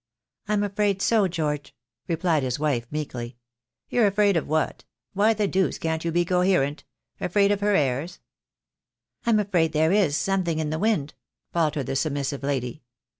"I'm afraid so, George," replied his wife, meekly. "You're afraid of what? Why the deuce can't you be coherent? Afraid of her airs " "I'm afraid there is — something in the wind," faltered the submissive lady.